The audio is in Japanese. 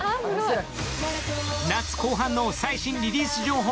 夏後半の最新リリース情報。